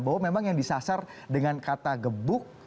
bahwa memang yang disasar dengan kata gebuk